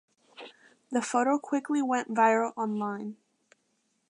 The photo quickly went viral online.